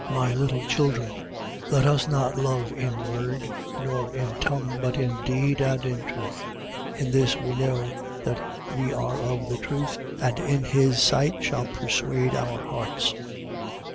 3:18. My little children, let us not love in word nor in tongue, but in deed and in truth. 3:19. In this we know that we are of the truth and in his sight shall persuade our hearts.